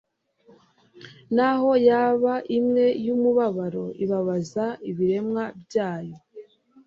naho yaba imwe y'umubabaro ibabaza ibiremwa byayo,